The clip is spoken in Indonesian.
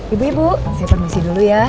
ibu ibu masih permisi dulu ya